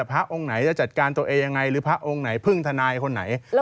พระองค์ไหนจะจัดการตัวเองยังไงหรือพระองค์ไหนพึ่งทนายคนไหน